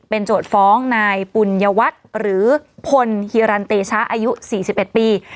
เป็นโจทย์ฟ้องนายปุ่นยวัตรหรือพลฮิรันเตชะอายุสี่สิบเอ็ดปี